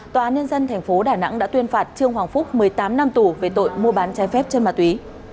tòa án nhân dân tp đà nẵng đã tuyên phạt trương hoàng phúc một mươi tám năm tù về tội mua bán trái phép chân ma túy